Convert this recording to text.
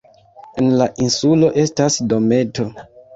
En la insulo estas dometo.